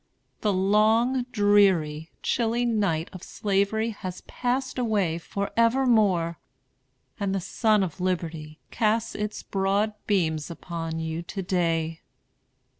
The long, dreary, chilly night of Slavery has passed away forevermore, and the sun of Liberty casts its broad beams upon you to day.